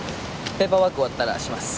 ペーパーワーク終わったらします。